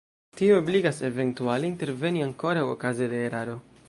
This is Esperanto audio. Tio ebligas eventuale interveni ankoraŭ okaze de eraro.